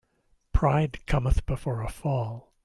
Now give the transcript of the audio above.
Pride cometh before a fall.